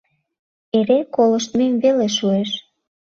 Эре колыштмем веле шуэш.